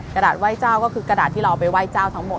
กระดาษไหว้เจ้าก็คือกระดาษที่เราไปไหว้เจ้าทั้งหมด